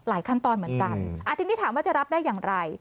ขั้นตอนเหมือนกันทีนี้ถามว่าจะรับได้อย่างไร